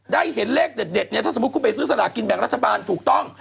ได้เห็นเลขเด็ดเนี่ยถ้าสมมุติคุณไปซื้อสลากินแบ่งรัฐบาลถูกต้อง